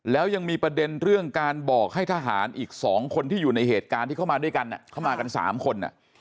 แล้วยังมีประเด็นเรื่องการบอกให้ทหารอีก๒คนที่อยู่ในเหตุการณ์ที่เข้ามาด้วยกันเข้ามากัน๓คน